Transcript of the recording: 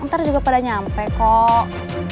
ntar juga pada nyampe kok